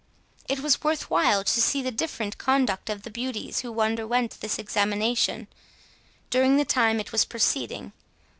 It was worth while to see the different conduct of the beauties who underwent this examination, during the time it was proceeding.